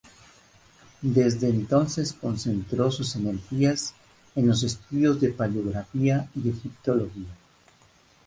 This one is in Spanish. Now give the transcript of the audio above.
Desde entonces concentró sus energías en los estudios de Paleografía y Egiptología.